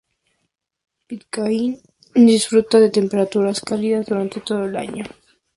Pitcairn disfruta de temperaturas cálidas durante todo el año.